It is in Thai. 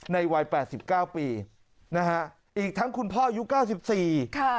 ในวัย๘๙ปีอีกทั้งคุณพ่อยุค๙๔